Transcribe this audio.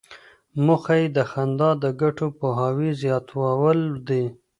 موخه یې د خندا د ګټو پوهاوی زیاتول دي.